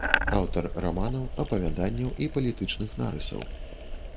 Аўтар раманаў, апавяданняў і палітычных нарысаў.